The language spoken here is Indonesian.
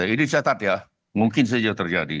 ini dicatat ya mungkin saja terjadi